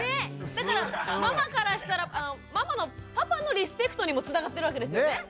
だからママからしたらママのパパのリスペクトにもつながってるわけですよね？